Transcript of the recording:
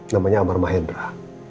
namanya amar mahendra